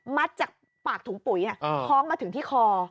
จากปากถุงปุ๋ยท้องมาถึงที่คอ